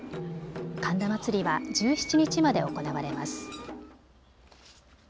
神田祭は１７日まで行われます。